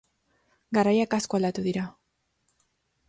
Garaiak asko aldatu dira.